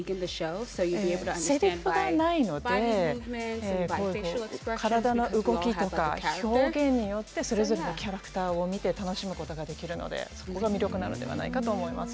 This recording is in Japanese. せりふがないので体の動きとか表現によってそれぞれのキャラクターを見て楽しむことができるのでそこが魅力ではないかと思います。